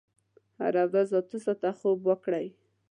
هره ورځ اته ساعته خوب وکړئ.